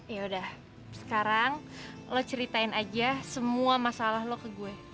ya udah sekarang lo ceritain aja semua masalah lo ke gue